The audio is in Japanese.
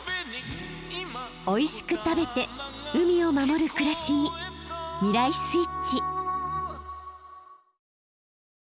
おいしく食べて海を守る暮らしに未来スイッチ。